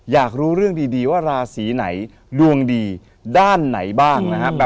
อยากรู้เรื่องดีว่าราศีไหนดวงดีด้านไหนบ้างนะครับ